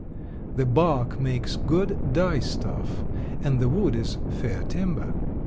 The bark makes good dye stuff and the wood is fair timber.